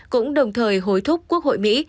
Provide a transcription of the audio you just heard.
cũng đồng thời hối thúc quốc hội mỹ